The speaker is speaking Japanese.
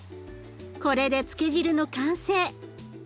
これで漬け汁の完成。